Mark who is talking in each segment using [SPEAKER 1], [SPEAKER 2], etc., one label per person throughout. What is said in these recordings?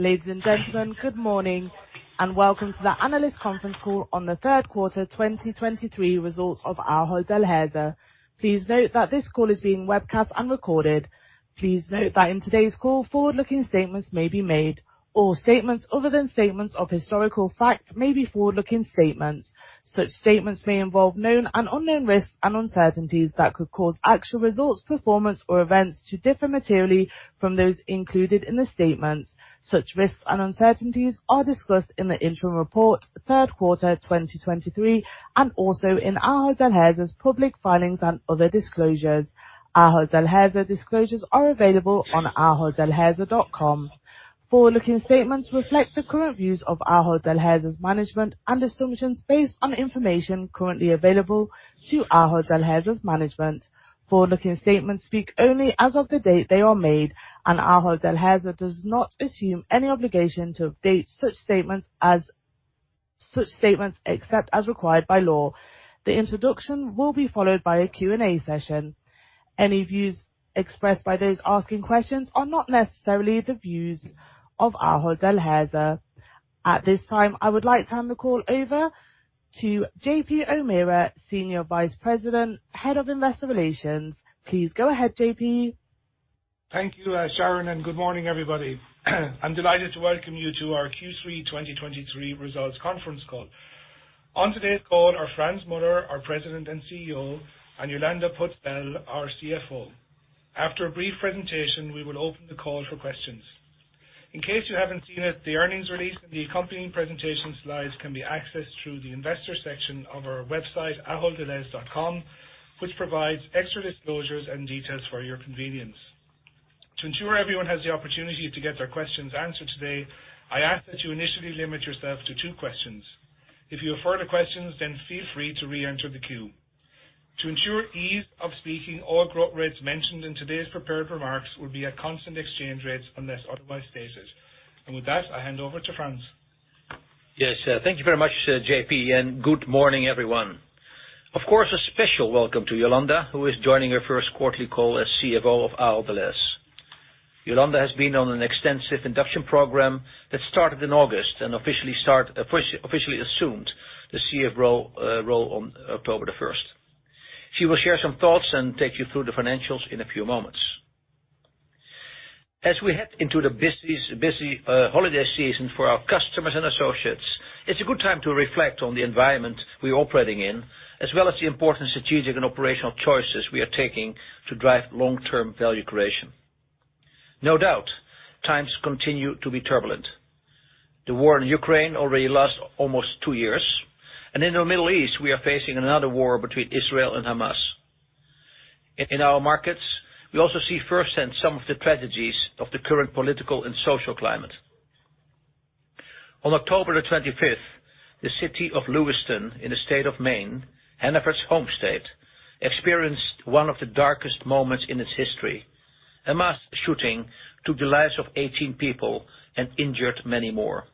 [SPEAKER 1] Ladies and gentlemen, good morning, and welcome to the analyst conference call on the third quarter 2023 results of Ahold Delhaize. Please note that this call is being webcast and recorded. Please note that in today's call, forward-looking statements may be made. All statements other than statements of historical fact may be forward-looking statements. Such statements may involve known and unknown risks and uncertainties that could cause actual results, performance, or events to differ materially from those included in the statements. Such risks and uncertainties are discussed in the interim report, third quarter 2023, and also in Ahold Delhaize's public filings and other disclosures. Ahold Delhaize disclosures are available on aholddelhaize.com. Forward-looking statements reflect the current views of Ahold Delhaize's management and assumptions based on information currently available to Ahold Delhaize's management. Forward-looking statements speak only as of the date they are made, and Ahold Delhaize does not assume any obligation to update such statements, as such statements, except as required by law. The introduction will be followed by a Q&A session. Any views expressed by those asking questions are not necessarily the views of Ahold Delhaize. At this time, I would like to hand the call over to JP O'Meara, Senior Vice President, Head of Investor Relations. Please go ahead, JP.
[SPEAKER 2] Thank you, Sharon, and good morning, everybody. I'm delighted to welcome you to our Q3 2023 results conference call. On today's call are Frans Muller, our President and CEO, and Jolanda Poots-Bijl, our CFO. After a brief presentation, we will open the call for questions. In case you haven't seen it, the earnings release and the accompanying presentation slides can be accessed through the investor section of our website, aholddelhaize.com, which provides extra disclosures and details for your convenience. To ensure everyone has the opportunity to get their questions answered today, I ask that you initially limit yourself to two questions. If you have further questions, then feel free to reenter the queue. To ensure ease of speaking, all growth rates mentioned in today's prepared remarks will be at constant exchange rates unless otherwise stated. With that, I hand over to Frans.
[SPEAKER 3] Yes, thank you very much, JP, and good morning, everyone. Of course, a special welcome to Jolanda, who is joining her first quarterly call as CFO of Ahold Delhaize. Jolanda has been on an extensive induction program that started in August and officially assumed the CFO role on October 1st. She will share some thoughts and take you through the financials in a few moments. As we head into the busy, busy holiday season for our customers and associates, it's a good time to reflect on the environment we're operating in, as well as the important strategic and operational choices we are taking to drive long-term value creation. No doubt, times continue to be turbulent. The war in Ukraine already lasts almost two years, and in the Middle East, we are facing another war between Israel and Hamas. In our markets, we also see firsthand some of the tragedies of the current political and social climate. On October the 25th, the city of Lewiston, in the state of Maine, Hannaford's home state, experienced one of the darkest moments in its history. A mass shooting took the lives of 18 people and injured many more.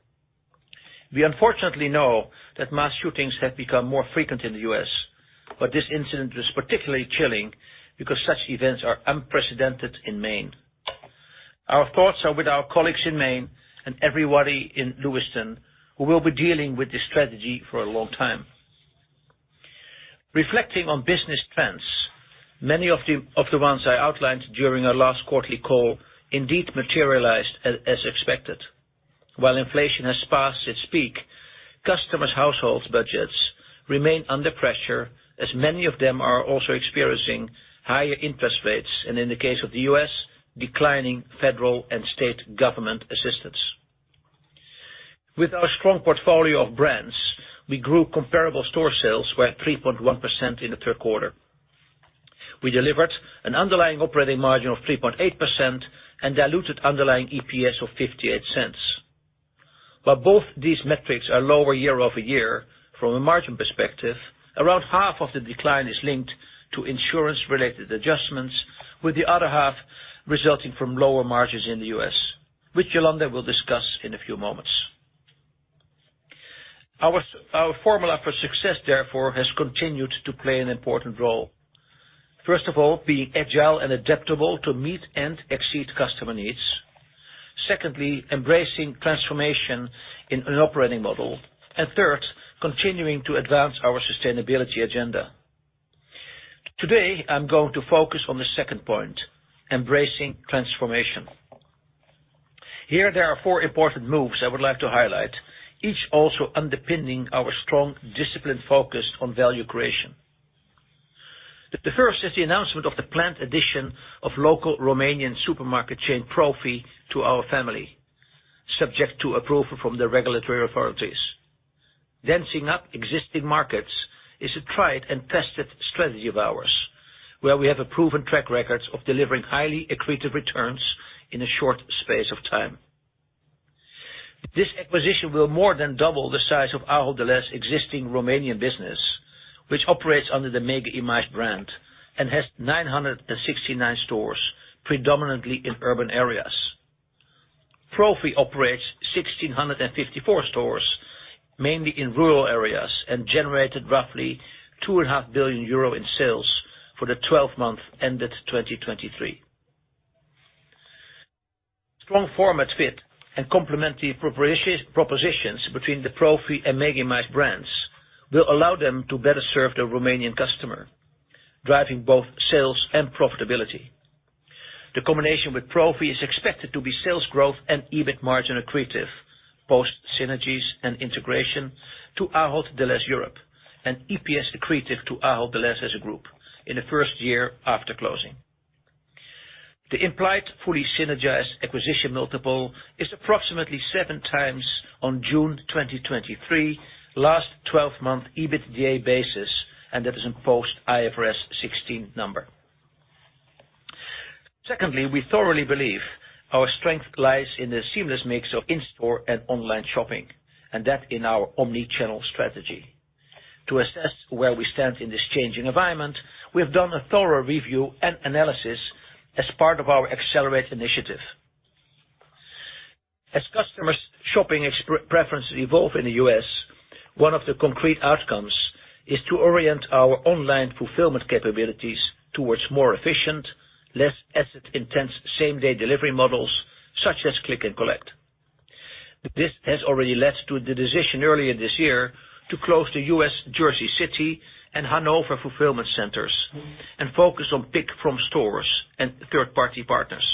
[SPEAKER 3] We unfortunately know that mass shootings have become more frequent in the U.S., but this incident was particularly chilling because such events are unprecedented in Maine. Our thoughts are with our colleagues in Maine and everybody in Lewiston, who will be dealing with this tragedy for a long time. Reflecting on business trends, many of the ones I outlined during our last quarterly call indeed materialized as expected. While inflation has passed its peak, customers' household budgets remain under pressure, as many of them are also experiencing higher interest rates, and in the case of the U.S., declining federal and state government assistance. With our strong portfolio of brands, we grew comparable store sales by 3.1% in the third quarter. We delivered an underlying operating margin of 3.8% and diluted underlying EPS of 0.58. While both these metrics are lower year-over-year from a margin perspective, around half of the decline is linked to insurance-related adjustments, with the other half resulting from lower margins in the U.S., which Jolanda will discuss in a few moments. Our formula for success, therefore, has continued to play an important role. First of all, being agile and adaptable to meet and exceed customer needs. Secondly, embracing transformation in an operating model. And third, continuing to advance our sustainability agenda. Today, I'm going to focus on the second point, embracing transformation. Here, there are four important moves I would like to highlight, each also underpinning our strong disciplined focus on value creation. The first is the announcement of the planned addition of local Romanian supermarket chain Profi to our family, subject to approval from the regulatory authorities. Densifying existing markets is a tried and tested strategy of ours, where we have a proven track record of delivering highly accretive returns in a short space of time. This acquisition will more than double the size of Ahold Delhaize existing Romanian business, which operates under the Mega Image brand and has 969 stores, predominantly in urban areas. Profi operates 1,654 stores-... mainly in rural areas and generated roughly 2.5 billion euro in sales for the 12-month ended 2023. Strong format fit and complementary propositions between the Profi and Mega Image brands will allow them to better serve the Romanian customer, driving both sales and profitability. The combination with Profi is expected to be sales growth and EBIT margin accretive, post synergies and integration to Ahold Delhaize Europe, and EPS accretive to Ahold Delhaize as a group in the first year after closing. The implied fully synergized acquisition multiple is approximately 7x on June 2023, last 12-month EBITDA basis, and that is in post-IFRS 16 number. Secondly, we thoroughly believe our strength lies in the seamless mix of in-store and online shopping, and that in our omnichannel strategy. To assess where we stand in this changing environment, we have done a thorough review and analysis as part of our Accelerate initiative. As customers' shopping preferences evolve in the U.S., one of the concrete outcomes is to orient our online fulfillment capabilities towards more efficient, less asset-intense, same-day delivery models, such as click and collect. This has already led to the decision earlier this year to close the U.S. Jersey City and Hanover fulfillment centers and focus on pick from stores and third-party partners.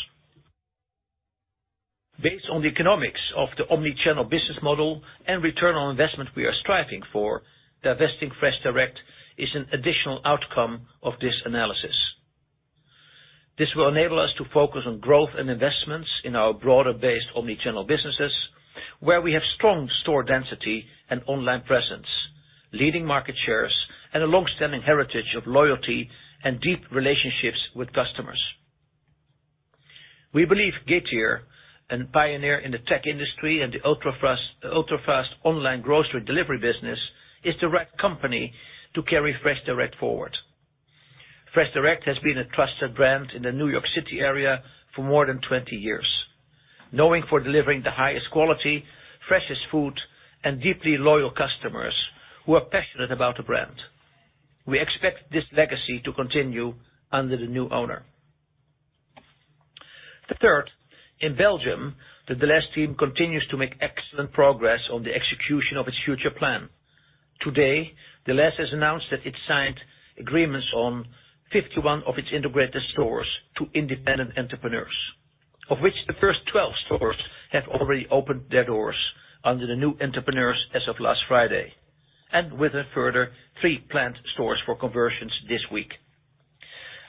[SPEAKER 3] Based on the economics of the omnichannel business model and return on investment we are striving for, divesting FreshDirect is an additional outcome of this analysis. This will enable us to focus on growth and investments in our broader-based omnichannel businesses, where we have strong store density and online presence, leading market shares, and a long-standing heritage of loyalty and deep relationships with customers. We believe Getir, a pioneer in the tech industry and the ultrafast, ultrafast online grocery delivery business, is the right company to carry FreshDirect forward. FreshDirect has been a trusted brand in the New York City area for more than 20 years, known for delivering the highest quality, freshest food, and deeply loyal customers who are passionate about the brand. We expect this legacy to continue under the new owner. The third, in Belgium, the Delhaize team continues to make excellent progress on the execution of its future plan. Today, Delhaize has announced that it signed agreements on 51 of its integrated stores to independent entrepreneurs, of which the first 12 stores have already opened their doors under the new entrepreneurs as of last Friday, and with a further 3 planned stores for conversions this week.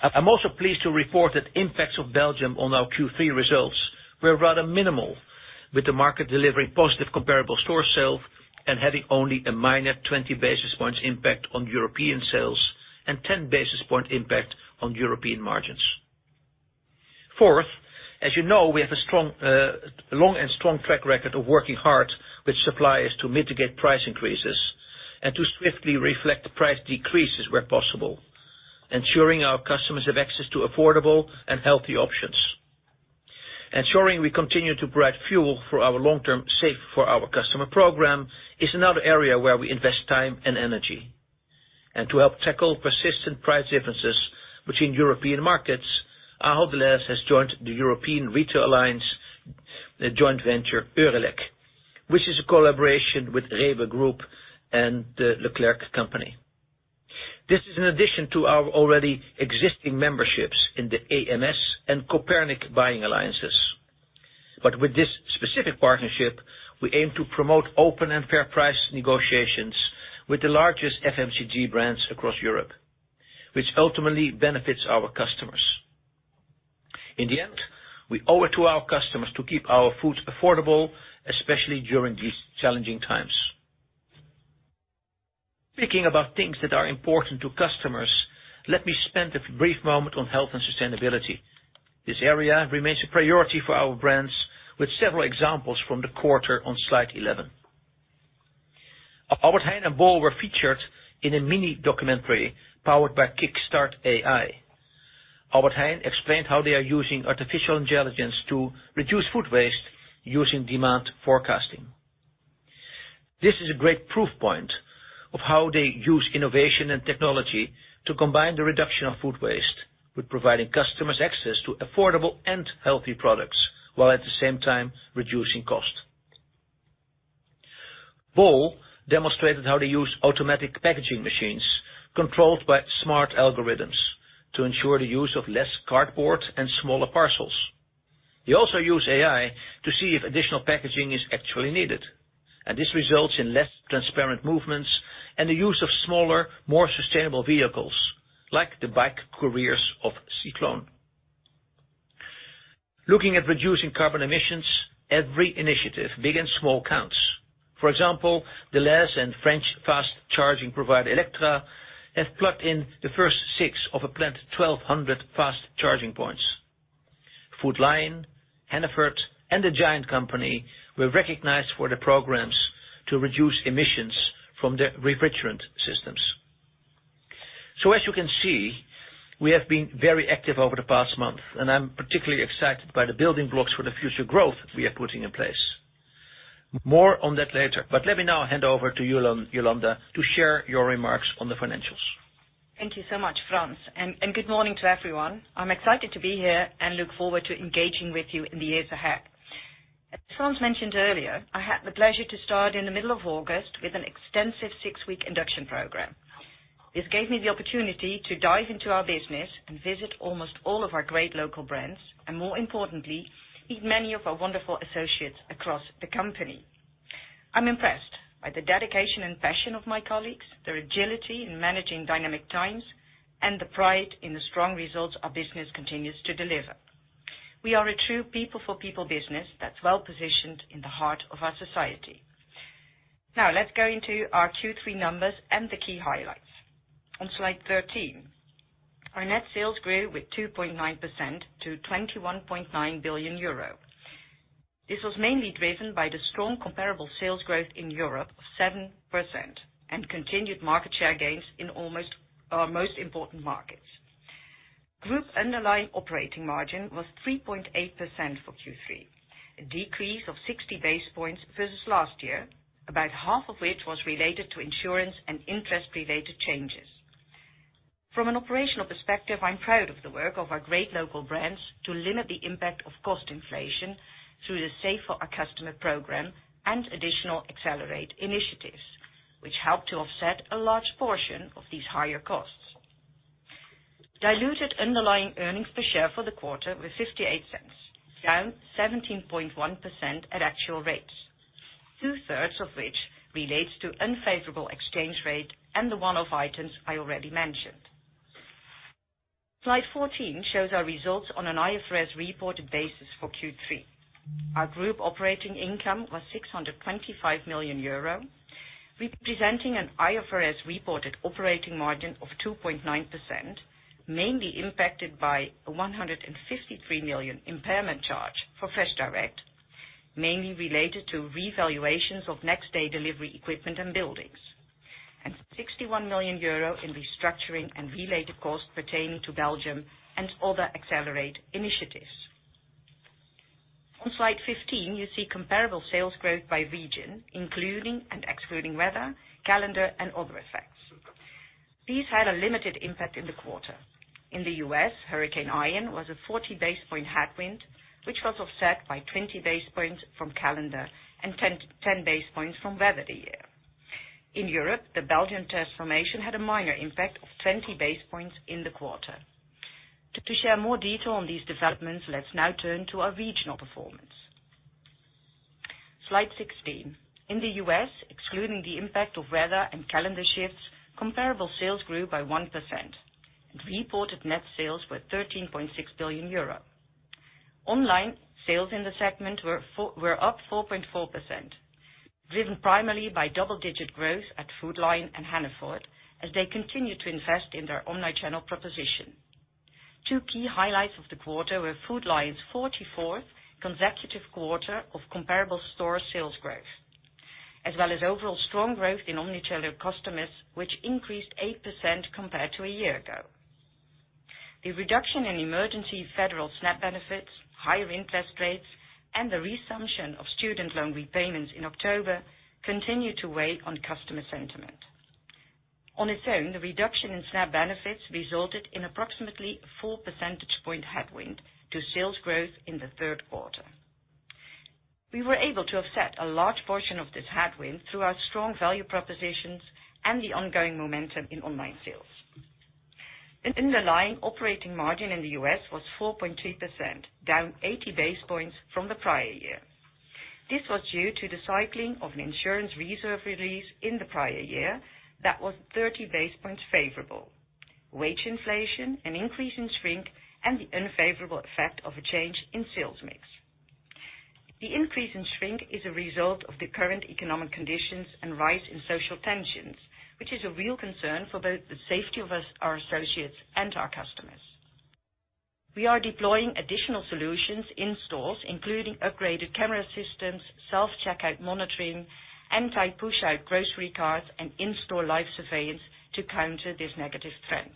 [SPEAKER 3] I'm also pleased to report that impacts of Belgium on our Q3 results were rather minimal, with the market delivering positive comparable store sales and having only a minor 20 basis points impact on European sales, and 10 basis point impact on European margins. Fourth, as you know, we have a strong, long and strong track record of working hard with suppliers to mitigate price increases and to swiftly reflect the price decreases where possible, ensuring our customers have access to affordable and healthy options. Ensuring we continue to provide fuel for our long-term Save for Our Customers program is another area where we invest time and energy. To help tackle persistent price differences between European markets, Ahold Delhaize has joined the European Retail Alliance, a joint venture, EURELEC, which is a collaboration with REWE Group and E.Leclerc. This is in addition to our already existing memberships in the AMS and Copernic buying alliances. With this specific partnership, we aim to promote open and fair price negotiations with the largest FMCG brands across Europe, which ultimately benefits our customers. In the end, we owe it to our customers to keep our foods affordable, especially during these challenging times. Speaking about things that are important to customers, let me spend a brief moment on health and sustainability. This area remains a priority for our brands, with several examples from the quarter on slide 11. Albert Heijn en Bol were featured in a mini documentary powered by Kickstart AI. Albert Heijn explained how they are using artificial intelligence to reduce food waste using demand forecasting. This is a great proof point of how they use innovation and technology to combine the reduction of food waste with providing customers access to affordable and healthy products, while at the same time reducing cost. Bol demonstrated how they use automatic packaging machines controlled by smart algorithms to ensure the use of less cardboard and smaller parcels. They also use AI to see if additional packaging is actually needed, and this results in less transparent movements and the use of smaller, more sustainable vehicles, like the bike couriers of Cycloon. Looking at reducing carbon emissions, every initiative, big and small, counts. For example, Delhaize and French fast charging provider, Electra, have plugged in the first six of a planned 1,200 fast charging points. Food Lion, Hannaford, and the Giant Company were recognized for their programs to reduce emissions from their refrigerant systems. So as you can see, we have been very active over the past month, and I'm particularly excited by the building blocks for the future growth we are putting in place. More on that later, but let me now hand over to you, Jolanda, to share your remarks on the financials.
[SPEAKER 4] Thank you so much, Frans, and good morning to everyone. I'm excited to be here and look forward to engaging with you in the years ahead. As Frans mentioned earlier, I had the pleasure to start in the middle of August with an extensive 6-week induction program. This gave me the opportunity to dive into our business and visit almost all of our great local brands, and more importantly, meet many of our wonderful associates across the company. I'm impressed by the dedication and passion of my colleagues, their agility in managing dynamic times, and the pride in the strong results our business continues to deliver. We are a true people-for-people business that's well-positioned in the heart of our society. Now, let's go into our Q3 numbers and the key highlights. On slide 13, our net sales grew with 2.9% to 21.9 billion euro. This was mainly driven by the strong comparable sales growth in Europe, 7%, and continued market share gains in almost our most important markets. Group underlying operating margin was 3.8% for Q3, a decrease of 60 basis points versus last year, about half of which was related to insurance and interest-related changes. From an operational perspective, I'm proud of the work of our great local brands to limit the impact of cost inflation through the Save for Our Customers program and additional Accelerate initiatives, which helped to offset a large portion of these higher costs. Diluted underlying earnings per share for the quarter were 0.58, down 17.1% at actual rates, two-thirds of which relates to unfavorable exchange rate and the one-off items I already mentioned. Slide 14 shows our results on an IFRS reported basis for Q3. Our group operating income was 625 million euro, representing an IFRS-reported operating margin of 2.9%, mainly impacted by a 153 million impairment charge for FreshDirect, mainly related to revaluations of next-day delivery equipment and buildings, and 61 million euro in restructuring and related costs pertaining to Belgium and other Accelerate initiatives. On slide 15, you see comparable sales growth by region, including and excluding weather, calendar, and other effects. These had a limited impact in the quarter. In the U.S., Hurricane Ian was a 40 base point headwind, which was offset by 20 base points from calendar and 10 base points from weather the year. In Europe, the Belgian transformation had a minor impact of 20 base points in the quarter. To share more detail on these developments, let's now turn to our regional performance. Slide 16. In the U.S., excluding the impact of weather and calendar shifts, comparable sales grew by 1%, and reported net sales were 13.6 billion euro. Online sales in the segment were up 4.4%, driven primarily by double-digit growth at Food Lion and Hannaford, as they continue to invest in their omni-channel proposition. Two key highlights of the quarter were Food Lion's 44th consecutive quarter of comparable store sales growth, as well as overall strong growth in omni-channel customers, which increased 8% compared to a year ago. The reduction in emergency federal SNAP benefits, higher interest rates, and the resumption of student loan repayments in October continued to weigh on customer sentiment. On its own, the reduction in SNAP benefits resulted in approximately 4 percentage points headwind to sales growth in the third quarter. We were able to offset a large portion of this headwind through our strong value propositions and the ongoing momentum in online sales. And underlying operating margin in the U.S. was 4.2%, down 80 basis points from the prior year. This was due to the cycling of an insurance reserve release in the prior year that was 30 basis points favorable, wage inflation, an increase in shrink, and the unfavorable effect of a change in sales mix. The increase in shrink is a result of the current economic conditions and rise in social tensions, which is a real concern for both the safety of us, our associates, and our customers. We are deploying additional solutions in stores, including upgraded camera systems, self-checkout monitoring, anti-pushout grocery carts, and in-store live surveillance to counter this negative trend.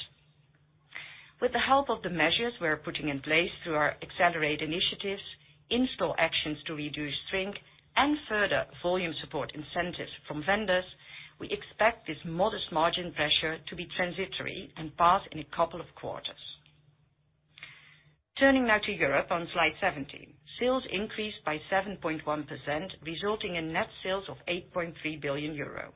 [SPEAKER 4] With the help of the measures we are putting in place through our Accelerate initiatives, in-store actions to reduce shrink, and further volume support incentives from vendors, we expect this modest margin pressure to be transitory and pass in a couple of quarters. Turning now to Europe on slide 17. Sales increased by 7.1%, resulting in net sales of 8.3 billion euro.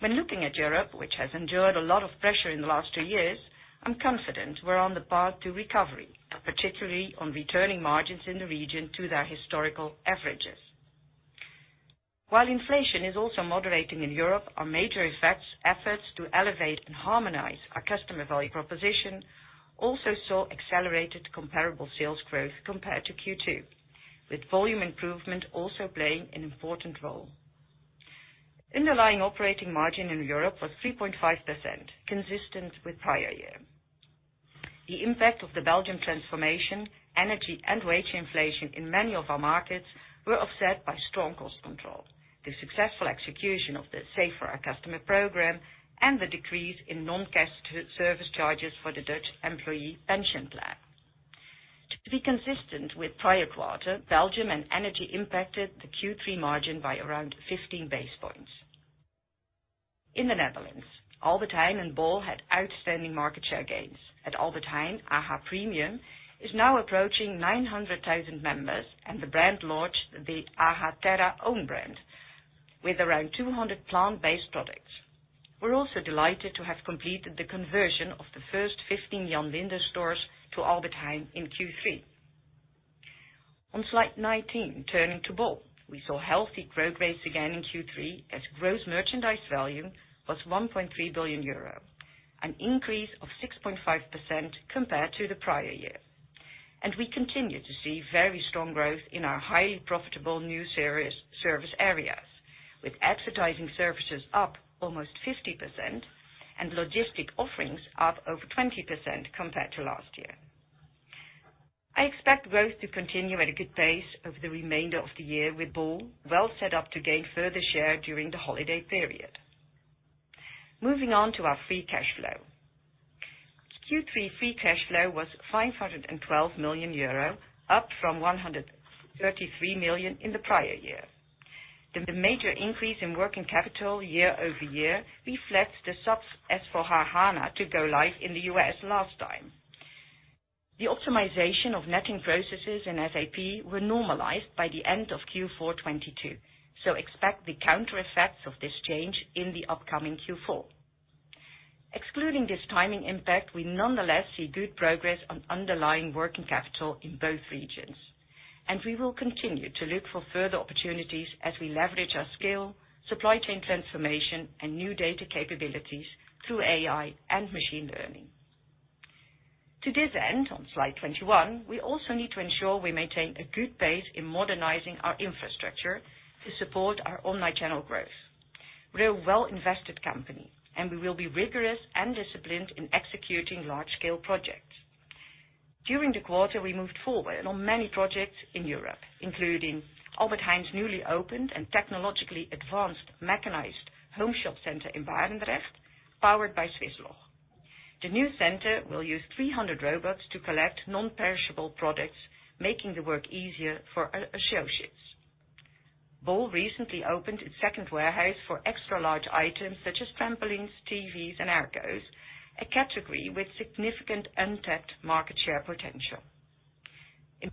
[SPEAKER 4] When looking at Europe, which has endured a lot of pressure in the last two years, I'm confident we're on the path to recovery, and particularly on returning margins in the region to their historical averages. While inflation is also moderating in Europe, our major efforts to elevate and harmonize our customer value proposition also saw accelerated comparable sales growth compared to Q2, with volume improvement also playing an important role. Underlying operating margin in Europe was 3.5%, consistent with prior year. The impact of the Belgian transformation, energy, and wage inflation in many of our markets were offset by strong cost control, the successful execution of the Save for Our Customers program, and the decrease in non-cash service charges for the Dutch employee pension plan. To be consistent with prior quarter, Belgium and energy impacted the Q3 margin by around 15 basis points. In the Netherlands, Albert Heijn and bol had outstanding market share gains. At Albert Heijn, AH Premium is now approaching 900,000 members, and the brand launched the AH Terra own brand with around 200 plant-based products. We're also delighted to have completed the conversion of the first 15 Jan Linders stores to Albert Heijn in Q3. On slide 19, turning to bol, we saw healthy growth rates again in Q3, as gross merchandise value was 1.3 billion euro, an increase of 6.5% compared to the prior year. We continue to see very strong growth in our highly profitable new series, service areas, with advertising services up almost 50% and logistic offerings up over 20% compared to last year. I expect growth to continue at a good pace over the remainder of the year, with bol well set up to gain further share during the holiday period. Moving on to our free cash flow. Q3 free cash flow was 512 million euro, up from 133 million in the prior year. The major increase in working capital year-over-year reflects the SAP S/4HANA to go live in the U.S. last time. The optimization of netting processes in SAP were normalized by the end of Q4 2022, so expect the counter effects of this change in the upcoming Q4. Excluding this timing impact, we nonetheless see good progress on underlying working capital in both regions, and we will continue to look for further opportunities as we leverage our scale, supply chain transformation, and new data capabilities through AI and machine learning. To this end, on slide 21, we also need to ensure we maintain a good pace in modernizing our infrastructure to support our omnichannel growth. We're a well-invested company, and we will be rigorous and disciplined in executing large-scale projects. During the quarter, we moved forward on many projects in Europe, including Albert Heijn's newly opened and technologically advanced mechanized home shop center in Barendrecht, powered by Swisslog. The new center will use 300 robots to collect non-perishable products, making the work easier for our associates. bol recently opened its second warehouse for extra large items such as trampolines, TVs, and aircos, a category with significant untapped market share potential.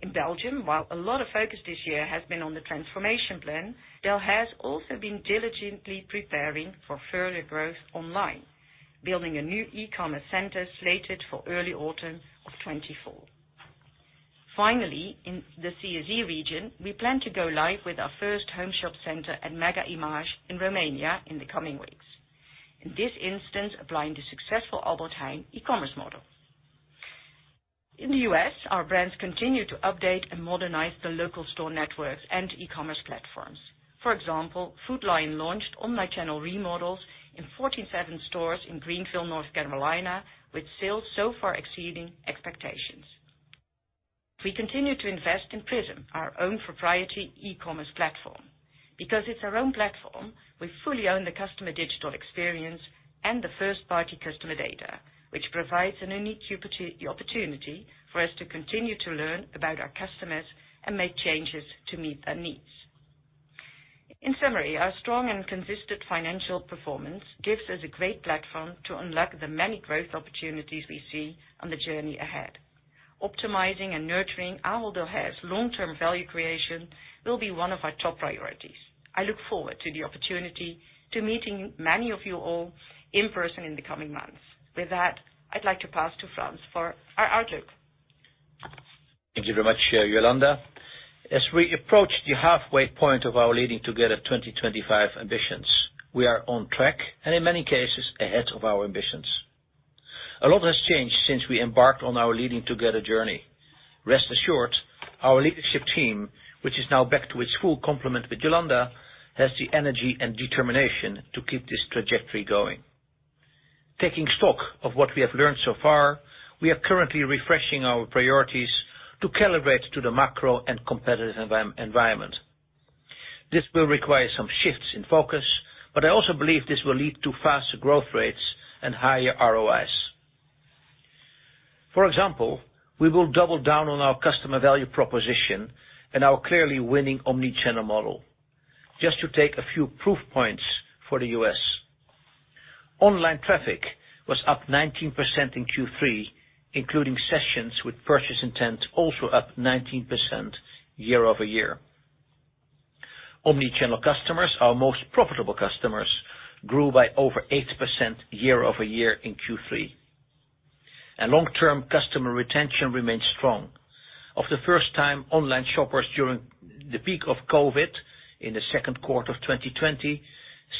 [SPEAKER 4] In Belgium, while a lot of focus this year has been on the transformation plan, Delhaize has also been diligently preparing for further growth online, building a new e-commerce center slated for early autumn of 2024. Finally, in the CSE region, we plan to go live with our first home shop center at Mega Image in Romania in the coming weeks. In this instance, applying the successful Albert Heijn e-commerce model. In the U.S., our brands continue to update and modernize the local store networks and e-commerce platforms. For example, Food Lion launched omnichannel remodels in 47 stores in Greenville, North Carolina, with sales so far exceeding expectations. We continue to invest in Prism, our own proprietary e-commerce platform. Because it's our own platform, we fully own the customer digital experience and the first party customer data, which provides a unique opportunity for us to continue to learn about our customers and make changes to meet their needs. In summary, our strong and consistent financial performance gives us a great platform to unlock the many growth opportunities we see on the journey ahead. Optimizing and nurturing our Ahold Delhaize long-term value creation will be one of our top priorities. I look forward to the opportunity to meeting many of you all in person in the coming months. With that, I'd like to pass to Frans for our outlook.
[SPEAKER 3] Thank you very much, Jolanda. As we approach the halfway point of our Leading Together 2025 ambitions, we are on track and in many cases, ahead of our ambitions. A lot has changed since we embarked on our Leading Together journey. Rest assured, our leadership team, which is now back to its full complement with Jolanda, has the energy and determination to keep this trajectory going. Taking stock of what we have learned so far, we are currently refreshing our priorities to calibrate to the macro and competitive environment. This will require some shifts in focus, but I also believe this will lead to faster growth rates and higher ROIs. For example, we will double down on our customer value proposition and our clearly winning omnichannel model. Just to take a few proof points for the U.S., online traffic was up 19% in Q3, including sessions with purchase intent, also up 19% year-over-year. Omnichannel customers, our most profitable customers, grew by over 8% year-over-year in Q3, and long-term customer retention remains strong. Of the first time online shoppers during the peak of COVID in the second quarter of 2020,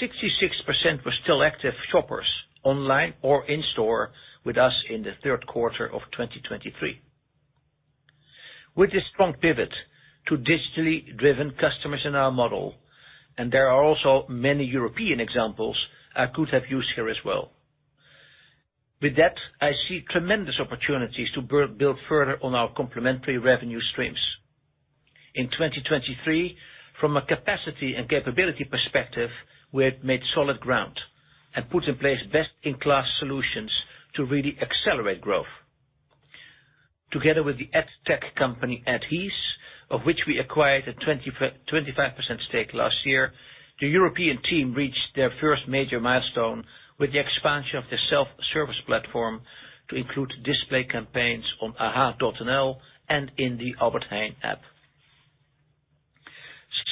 [SPEAKER 3] 66% were still active shoppers, online or in store, with us in the third quarter of 2023.... With a strong pivot to digitally driven customers in our model, and there are also many European examples I could have used here as well. With that, I see tremendous opportunities to build, build further on our complementary revenue streams. In 2023, from a capacity and capability perspective, we have made solid ground and put in place best-in-class solutions to really accelerate growth. Together with the ad tech company Adhese, of which we acquired a 25% stake last year, the European team reached their first major milestone with the expansion of the self-service platform to include display campaigns on ah.nl and in the Albert Heijn app.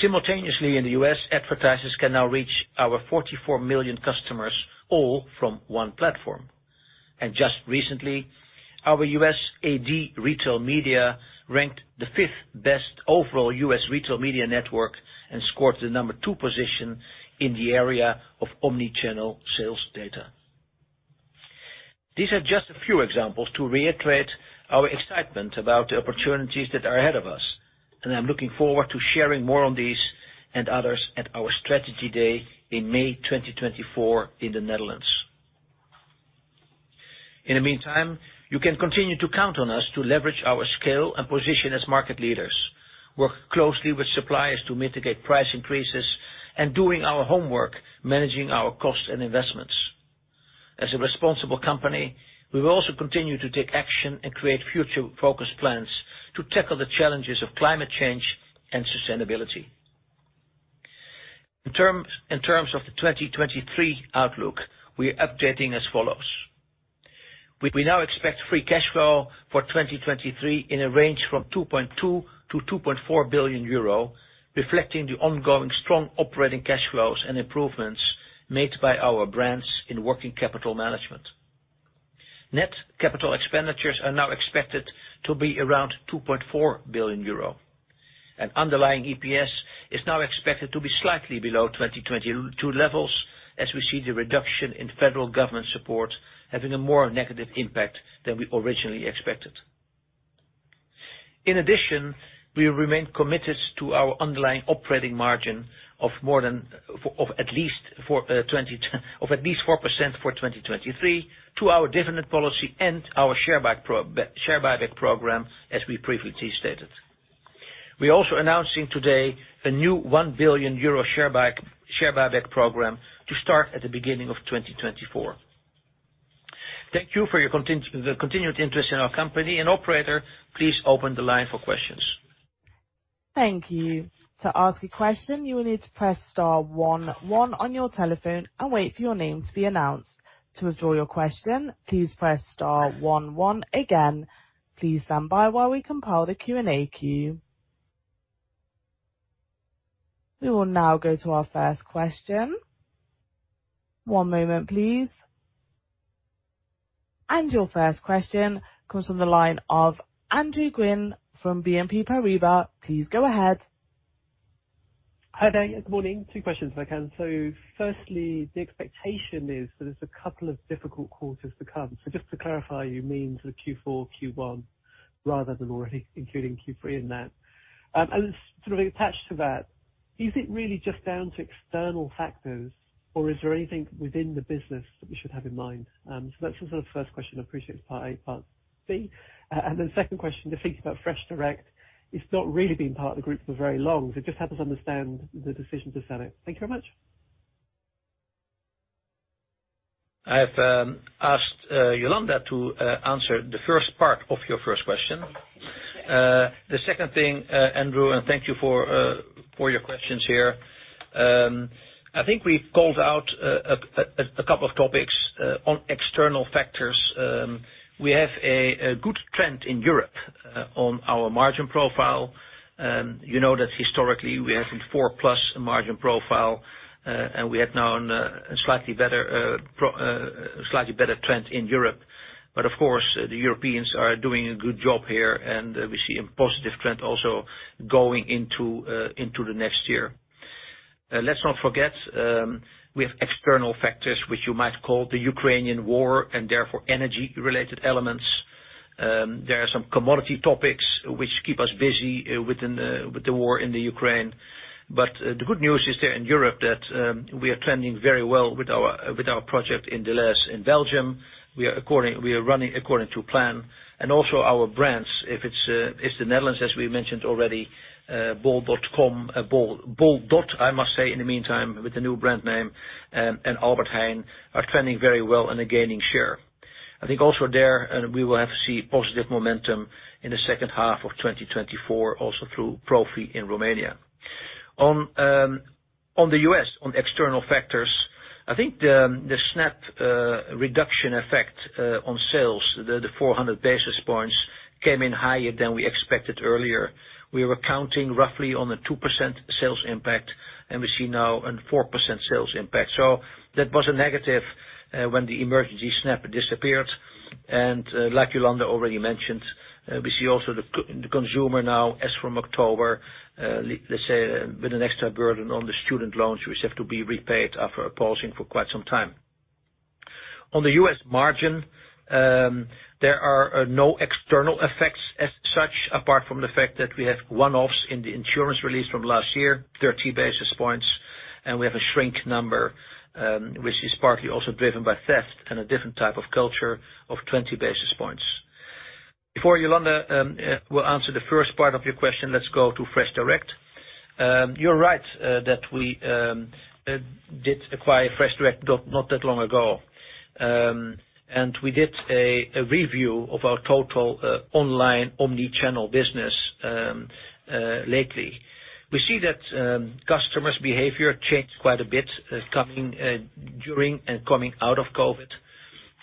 [SPEAKER 3] Simultaneously, in the U.S., advertisers can now reach our 44 million customers, all from one platform. And just recently, our U.S. AD Retail Media ranked the fifth best overall U.S. retail media network and scored the number two position in the area of omnichannel sales data. These are just a few examples to reiterate our excitement about the opportunities that are ahead of us, and I'm looking forward to sharing more on these and others at our strategy day in May 2024 in the Netherlands. In the meantime, you can continue to count on us to leverage our scale and position as market leaders, work closely with suppliers to mitigate price increases, and doing our homework, managing our costs and investments. As a responsible company, we will also continue to take action and create future-focused plans to tackle the challenges of climate change and sustainability. In terms of the 2023 outlook, we are updating as follows: We now expect free cash flow for 2023 in a range from 2.2 billion-2.4 billion euro, reflecting the ongoing strong operating cash flows and improvements made by our brands in working capital management. Net capital expenditures are now expected to be around 2.4 billion euro, and underlying EPS is now expected to be slightly below 2022 levels, as we see the reduction in federal government support having a more negative impact than we originally expected. In addition, we remain committed to our underlying operating margin of at least 4% for 2023, to our dividend policy and our share buyback program, as we previously stated. We're also announcing today a new 1 billion euro share buyback program to start at the beginning of 2024. Thank you for your continued interest in our company, and operator, please open the line for questions.
[SPEAKER 1] Thank you. To ask a question, you will need to press star one one on your telephone and wait for your name to be announced. To withdraw your question, please press star one one again. Please stand by while we compile the Q&A queue. We will now go to our first question. One moment, please. And your first question comes from the line of Andrew Gwynn from BNP Paribas. Please go ahead.
[SPEAKER 5] Hi there. Good morning. Two questions, if I can. So firstly, the expectation is that there's a couple of difficult quarters to come. So just to clarify, you mean sort of Q4, Q1, rather than already including Q3 in that? And sort of attached to that, is it really just down to external factors, or is there anything within the business that we should have in mind? So that's the sort of first question. I appreciate it's part A and part B. And then second question, to think about FreshDirect, it's not really been part of the group for very long, so just help us understand the decision to sell it. Thank you very much.
[SPEAKER 3] I have asked Jolanda to answer the first part of your first question. The second thing, Andrew, and thank you for your questions here. I think we called out a couple of topics on external factors. We have a good trend in Europe on our margin profile. You know that historically we have a four-plus margin profile, and we have now a slightly better trend in Europe. But of course, the Europeans are doing a good job here, and we see a positive trend also going into the next year. Let's not forget, we have external factors, which you might call the Ukrainian War, and therefore energy-related elements. There are some commodity topics which keep us busy within the war in Ukraine. But the good news is there in Europe that we are trending very well with our project in Delhaize in Belgium. We are running according to plan. And also our brands, if it's the Netherlands, as we mentioned already, bol.com, I must say, in the meantime, with the new brand name, and Albert Heijn, are trending very well and are gaining share. I think also there and we will have to see positive momentum in the second half of 2024, also through Profi in Romania. On the U.S., on external factors, I think the SNAP reduction effect on sales, the 400 basis points came in higher than we expected earlier. We were counting roughly on a 2% sales impact, and we see now a 4% sales impact. So that was a negative when the emergency SNAP disappeared. And, like Jolanda already mentioned, we see also the consumer now, as from October, let's say, with an extra burden on the student loans, which have to be repaid after pausing for quite some time. On the US margin, there are no external effects as such, apart from the fact that we have one-offs in the insurance release from last year, 30 basis points, and we have a shrink number, which is partly also driven by theft and a different type of culture, of 20 basis points. Before Jolanda will answer the first part of your question, let's go to FreshDirect. You're right, that we did acquire FreshDirect not that long ago. And we did a review of our total online omni-channel business lately. We see that customers' behavior changed quite a bit coming during and coming out of COVID.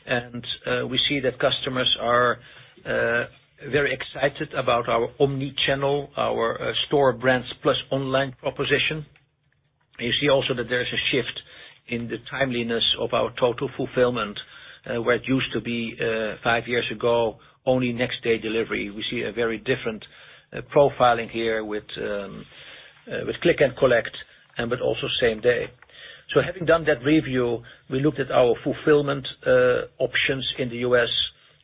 [SPEAKER 3] And we see that customers are very excited about our omnichannel, our store brands, plus online proposition. You see also that there's a shift in the timeliness of our total fulfillment, where it used to be five years ago, only next day delivery. We see a very different profiling here with click and collect and but also same day. So having done that review, we looked at our fulfillment options in the U.S.,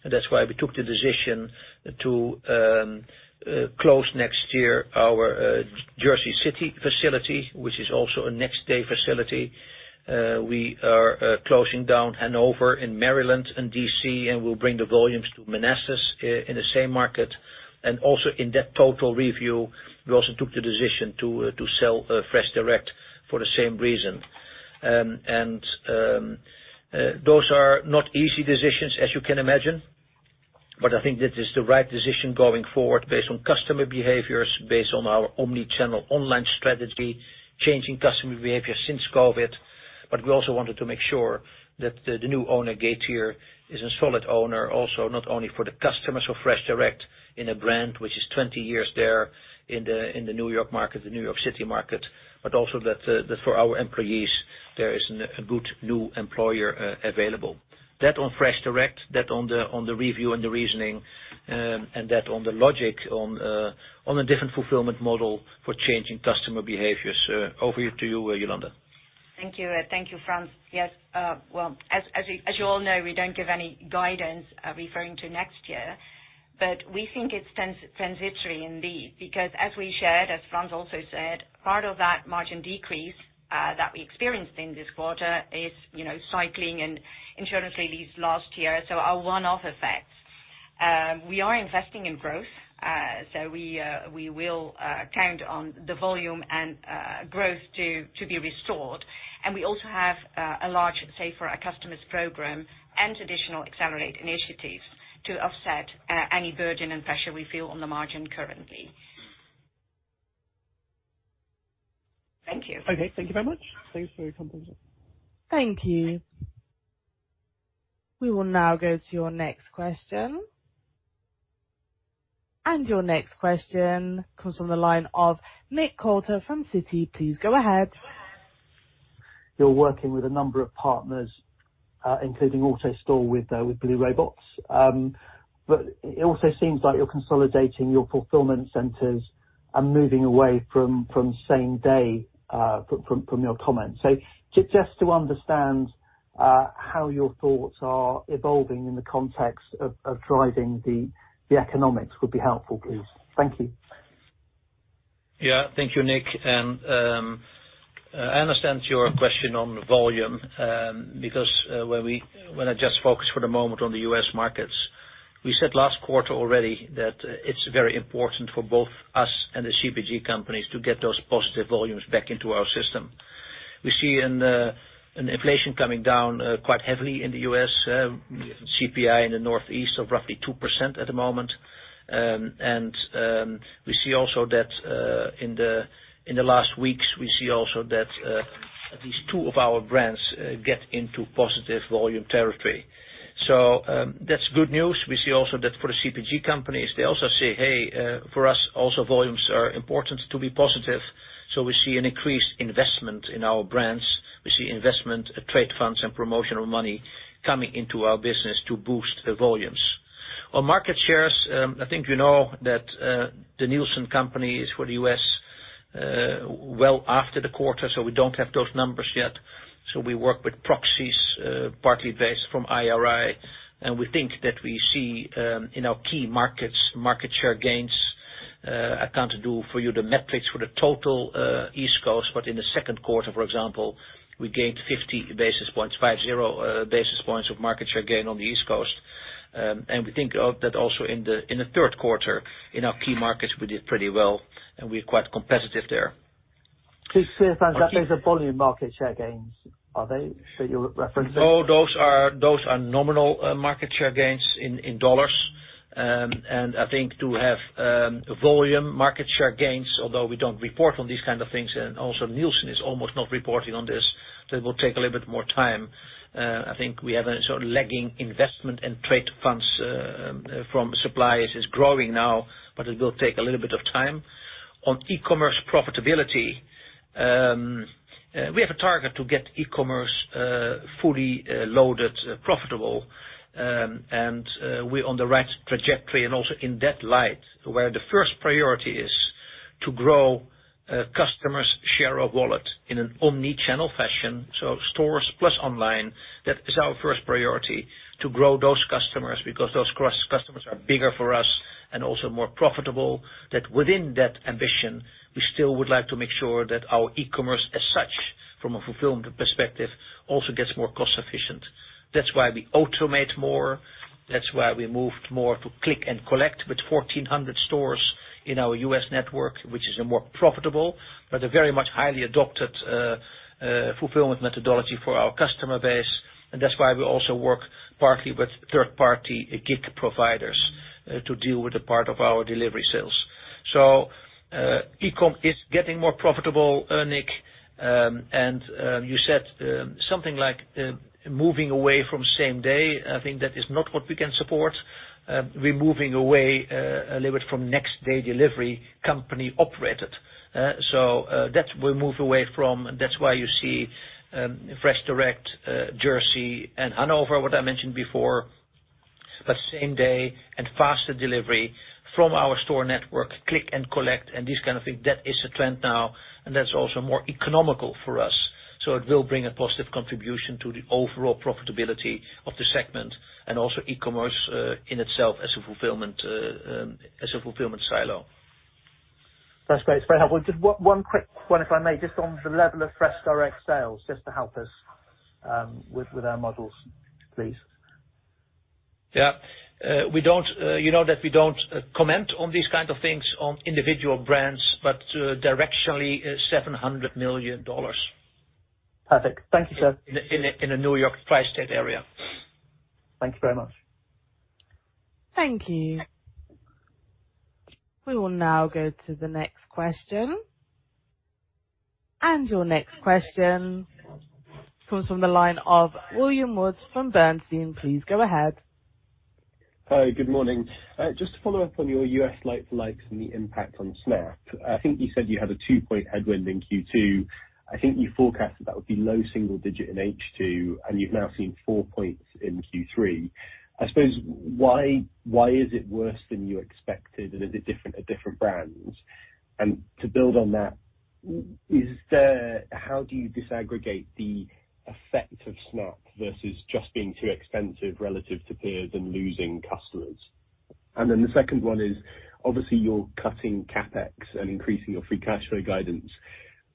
[SPEAKER 3] and that's why we took the decision to close next year our Jersey City facility, which is also a next day facility. We are closing down Hanover in Maryland and D.C., and we'll bring the volumes to Manassas in the same market. And also in that total review, we also took the decision to sell FreshDirect for the same reason. And those are not easy decisions, as you can imagine, but I think that is the right decision going forward based on customer behaviors, based on our omnichannel online strategy, changing customer behavior since COVID. But we also wanted to make sure that the new owner, Getir, is a solid owner, also, not only for the customers of FreshDirect as a brand, which is 20 years there in the New York market, the New York City market, but also that for our employees, there is a good new employer available. That on FreshDirect, that on the, on the review and the reasoning, and that on the logic on, on a different fulfillment model for changing customer behaviors. Over to you, Jolanda.
[SPEAKER 4] Thank you. Thank you, Frans. Yes, well, as you all know, we don't give any guidance referring to next year, but we think it's transitory indeed, because as we shared, as Frans also said, part of that margin decrease that we experienced in this quarter is, you know, cycling and insurance release last year, so are one-off effects. We are investing in growth, so we will count on the volume and growth to be restored. And we also have a large Save for Our Customers program and additional Accelerate initiatives to offset any burden and pressure we feel on the margin currently. Thank you.
[SPEAKER 5] Okay, thank you very much. Thanks for your contribution.
[SPEAKER 1] Thank you. We will now go to your next question. Your next question comes from the line of Nick Coulter from Citi. Please go ahead.
[SPEAKER 6] You're working with a number of partners, including AutoStore with Blue Robots. But it also seems like you're consolidating your fulfillment centers and moving away from same day, from your comments. So just to understand how your thoughts are evolving in the context of driving the economics would be helpful, please. Thank you.
[SPEAKER 3] Yeah. Thank you, Nick. I understand your question on volume, because when I just focus for the moment on the U.S. markets, we said last quarter already that it's very important for both us and the CPG companies to get those positive volumes back into our system. We see an inflation coming down quite heavily in the U.S., CPI in the Northeast of roughly 2% at the moment. And we see also that in the last weeks at least two of our brands get into positive volume territory. So, that's good news. We see also that for the CPG companies, they also say, "Hey, for us, also volumes are important to be positive." So we see an increased investment in our brands. We see investment, trade funds, and promotional money coming into our business to boost the volumes. On market shares, I think you know that, the Nielsen company is for the U.S., well, after the quarter, so we don't have those numbers yet. So we work with proxies, partly based from IRI, and we think that we see, in our key markets, market share gains. I can't do for you the metrics for the total, East Coast, but in the second quarter, for example, we gained 50 basis points, five zero, basis points of market share gain on the East Coast. And we think of that also in the, in the third quarter, in our key markets, we did pretty well, and we're quite competitive there.
[SPEAKER 6] Just to clarify, Frans, those are volume market share gains, are they, that you're referencing?
[SPEAKER 3] No, those are, those are nominal market share gains in dollars. And I think to have volume market share gains, although we don't report on these kind of things, and also Nielsen is almost not reporting on this, that will take a little bit more time. I think we have a sort of lagging investment and trade funds from suppliers is growing now, but it will take a little bit of time. On e-commerce profitability, we have a target to get e-commerce fully loaded profitable, and we're on the right trajectory. And also in that light, where the first priority is to grow customers' share of wallet in an omnichannel fashion, so stores plus online, that is our first priority, to grow those customers, because those cross customers are bigger for us and also more profitable. That within that ambition, we still would like to make sure that our e-commerce as such, from a fulfillment perspective, also gets more cost efficient. That's why we automate more. That's why we moved more to click and collect, with 1,400 stores in our U.S. network, which is a more profitable, but a very much highly adopted fulfillment methodology for our customer base. And that's why we also work partly with third-party gig providers to deal with the part of our delivery sales. So, e-com is getting more profitable, Nick, and you said something like moving away from same day. I think that is not what we can support. We're moving away a little bit from next day delivery, company operated. So, that we move away from, that's why you see, FreshDirect, Jersey City and Hanover, what I mentioned before. But same day and faster delivery from our store network, click and collect and this kind of thing, that is the trend now, and that's also more economical for us. So it will bring a positive contribution to the overall profitability of the segment, and also e-commerce, in itself, as a fulfillment, as a fulfillment silo.
[SPEAKER 6] That's great. It's very helpful. Just one quick one, if I may, just on the level of FreshDirect sales, just to help us with our models, please.
[SPEAKER 3] Yeah. We don't, you know that we don't, comment on these kind of things on individual brands, but, directionally, $700 million.
[SPEAKER 6] Perfect. Thank you, sir.
[SPEAKER 3] In the New York Tri-State area.
[SPEAKER 6] Thank you very much.
[SPEAKER 1] Thank you. We will now go to the next question. Your next question comes from the line of William Woods from Bernstein. Please go ahead.
[SPEAKER 7] Hi, good morning. Just to follow up on your US like-for-likes and the impact on SNAP, I think you said you had a 2-point headwind in Q2. I think you forecasted that would be low single-digit in H2, and you've now seen 4 points in Q3. I suppose, why, why is it worse than you expected, and is it different at different brands? And to build on that, how do you disaggregate the effect of SNAP versus just being too expensive relative to peers and losing customers? And then the second one is, obviously you're cutting CapEx and increasing your free cash flow guidance.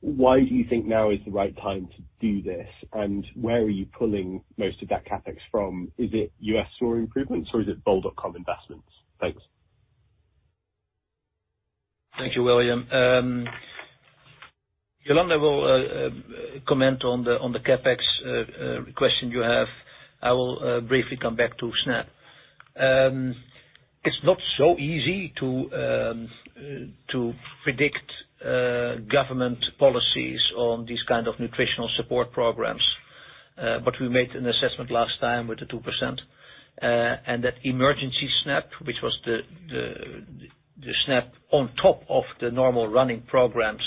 [SPEAKER 7] Why do you think now is the right time to do this, and where are you pulling most of that CapEx from? Is it U.S. store improvements or is it bol.com investments? Thanks.
[SPEAKER 3] Thank you, William. Jolanda will comment on the CapEx question you have. I will briefly come back to SNAP. It's not so easy to predict government policies on these kind of nutritional support programs. But we made an assessment last time with the 2%, and that emergency SNAP, which was the SNAP on top of the normal running programs,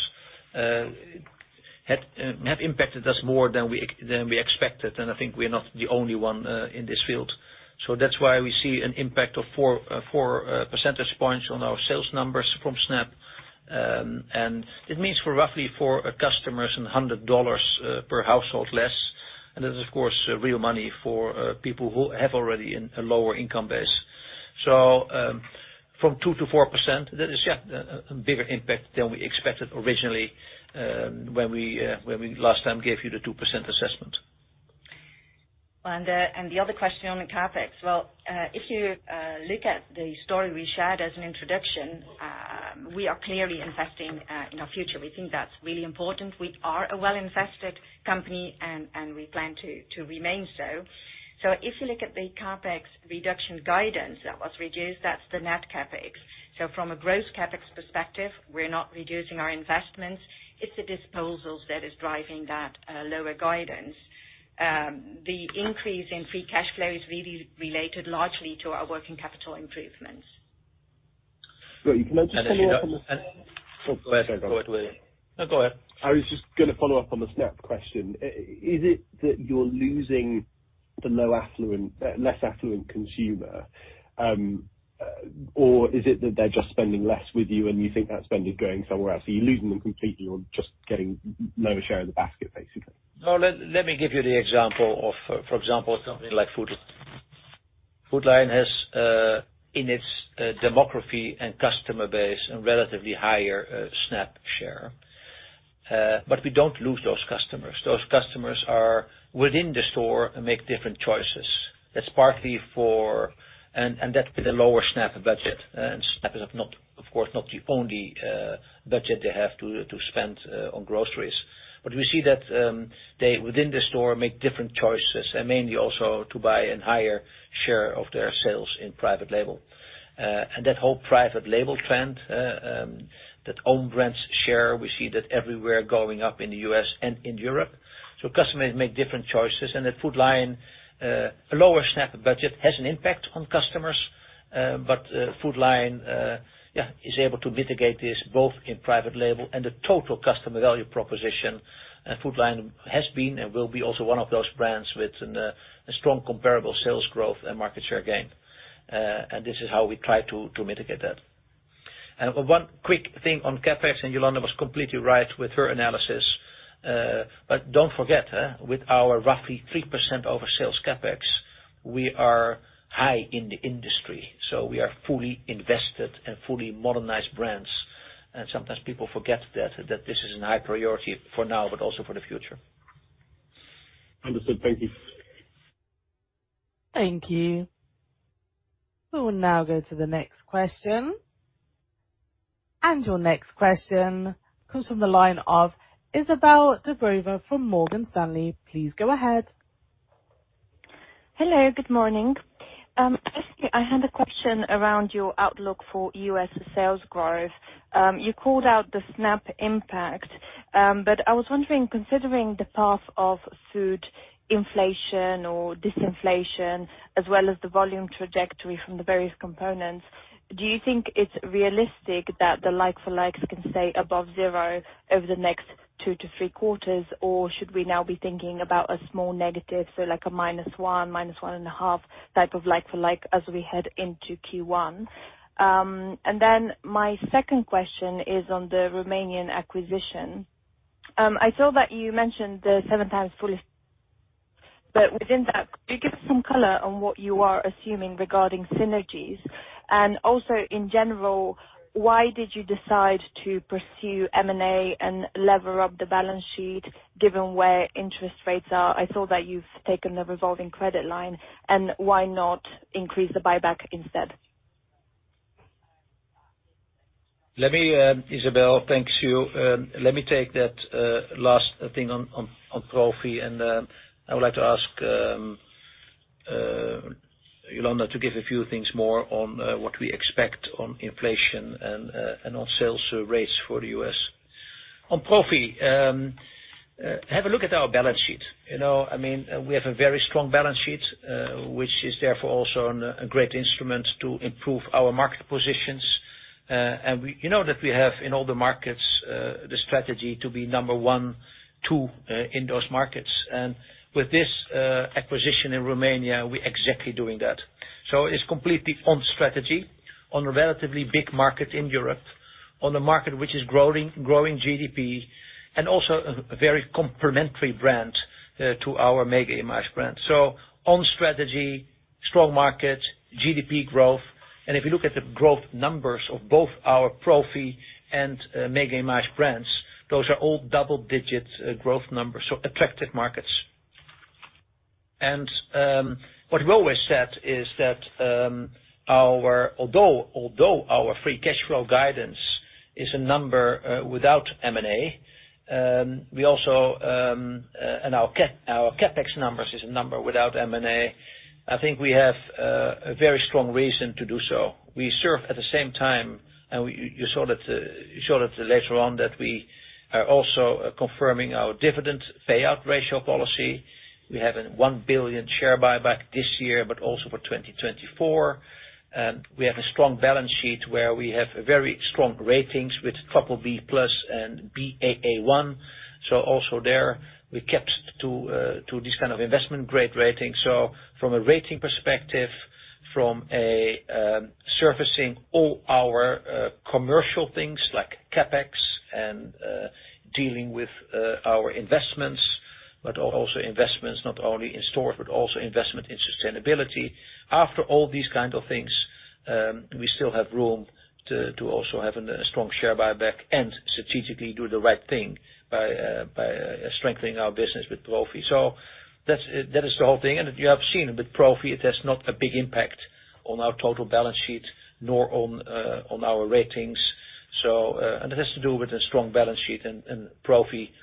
[SPEAKER 3] has impacted us more than we expected, and I think we are not the only one in this field. So that's why we see an impact of four percentage points on our sales numbers from SNAP. And it means roughly $100 for our customers per household less. And that's, of course, real money for people who have already in a lower income base. So, from 2% to 4%, that is, yeah, a, a bigger impact than we expected originally, when we, when we last time gave you the 2% assessment.
[SPEAKER 4] And the other question on the CapEx, well, if you look at the story we shared as an introduction, we are clearly investing in our future. We think that's really important. We are a well-invested company, and we plan to remain so. So if you look at the CapEx reduction guidance that was reduced, that's the net CapEx. So from a gross CapEx perspective, we're not reducing our investments. It's the disposals that is driving that lower guidance. The increase in free cash flow is really related largely to our working capital improvements.
[SPEAKER 7] Well, you can mention something more from the-
[SPEAKER 3] Go ahead, William. No, go ahead.
[SPEAKER 7] I was just gonna follow up on the SNAP question. Is it that you're losing the low affluent, less affluent consumer, or is it that they're just spending less with you, and you think that spending is going somewhere else? Are you losing them completely or just getting lower share of the basket, basically?
[SPEAKER 3] No, let me give you the example of, for example, something like Food Lion. Food Lion has, in its demographics and customer base, a relatively higher SNAP share. But we don't lose those customers. Those customers are within the store and make different choices. That's partly for... And, and that with a lower SNAP budget, and SNAP is of course not the only budget they have to spend on groceries. But we see that, they, within the store, make different choices, and mainly also to buy a higher share of their sales in private label. And that whole private label trend, that own brands share, we see that everywhere going up in the US and in Europe. So customers make different choices, and at Food Lion, a lower SNAP budget has an impact on customers, but Food Lion is able to mitigate this both in private label and the total customer value proposition. And Food Lion has been, and will be, also one of those brands with a strong comparable sales growth and market share gain. And this is how we try to mitigate that. And one quick thing on CapEx, and Jolanda was completely right with her analysis. But don't forget, with our roughly 3% of sales CapEx, we are high in the industry, so we are fully invested and fully modernized brands. And sometimes people forget that this is a high priority for now, but also for the future.
[SPEAKER 1] Understood. Thank you. Thank you. We will now go to the next question. Your next question comes from the line of Izabelle Dubreuil from Morgan Stanley. Please go ahead.
[SPEAKER 8] Hello, good morning. I had a question around your outlook for U.S. sales growth. You called out the SNAP impact, but I was wondering, considering the path of food inflation or disinflation, as well as the volume trajectory from the various components, do you think it's realistic that the like for likes can stay above zero over the next 2-3 quarters? Or should we now be thinking about a small negative, so like a -1, -1.5 type of like for like, as we head into Q1? And then my second question is on the Romanian acquisition. I saw that you mentioned the 7 times fully, but within that, could you give some color on what you are assuming regarding synergies? In general, why did you decide to pursue M&A and lever up the balance sheet given where interest rates are? I saw that you've taken a revolving credit line. Why not increase the buyback instead?
[SPEAKER 3] Let me, Isabelle, thank you. Let me take that last thing on Profi, and I would like to ask Jolanda to give a few things more on what we expect on inflation and on sales rates for the U.S. On Profi, have a look at our balance sheet. You know, I mean, we have a very strong balance sheet, which is therefore also a great instrument to improve our market positions. And we... You know, that we have, in all the markets, the strategy to be number one, two, in those markets. And with this acquisition in Romania, we're exactly doing that. So it's completely on strategy, on a relatively big market in Europe, on a market which is growing, growing GDP, and also a very complementary brand to our Mega Image brand. So on strategy, strong market, GDP growth, and if you look at the growth numbers of both our Profi and Mega Image brands, those are all double-digit growth numbers, so attractive markets. And what we always said is that although, although our free cash flow guidance is a number without M&A, we also and our CapEx numbers is a number without M&A, I think we have a very strong reason to do so. We serve at the same time, and we, you saw that, you saw that later on, that we are also confirming our dividend payout ratio policy. We have a 1 billion share buyback this year, but also for 2024. We have a strong balance sheet, where we have very strong ratings with BBB+ and Baa1. So also there, we kept to this kind of investment-grade rating. So from a rating perspective, from a servicing all our commercial things like CapEx and dealing with our investments, but also investments not only in stores, but also investment in sustainability. After all these kind of things, we still have room to also have a strong share buyback and strategically do the right thing by strengthening our business with Profi. So that's, that is the whole thing. And you have seen it with Profi, it has not a big impact on our total balance sheet nor on our ratings. So, and it has to do with a strong balance sheet, and Profi, a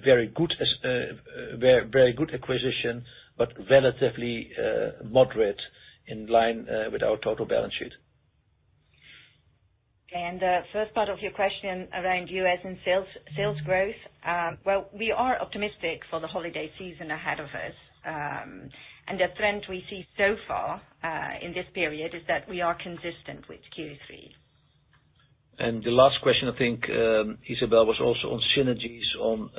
[SPEAKER 3] very good, very, very good acquisition, but relatively moderate in line with our total balance sheet.
[SPEAKER 4] And, first part of your question around U.S. and sales, sales growth. Well, we are optimistic for the holiday season ahead of us. And the trend we see so far, in this period, is that we are consistent with Q3.
[SPEAKER 3] And the last question, I think, Isabelle, was also on synergies on,